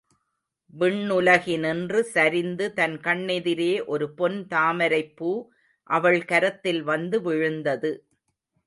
விண்ணுலகினின்று சரிந்து தன் கண்ணெதிரே ஒரு பொன் தாமரைப்பூ அவள் கரத்தில் வந்து விழுந்தது.